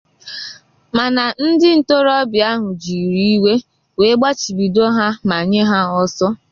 mana ndị ntorobịa ahụ jiri iwe wee gbachibido ha ma nye ha ọsọ